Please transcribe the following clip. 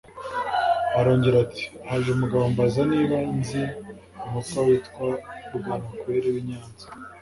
Arongera ati “Haje umugabo ambaza niba nzi umutwa witwa Bwanakweri w’i Nyanza